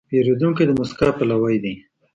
پیرودونکی د موسکا پلوی وي.